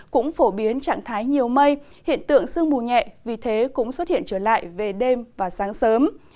cũng phổ biến trạng thái nhiều mây hiện tượng sương mù nhẹ vì thế cũng xuất hiện trở lại về đêm và sáng sớm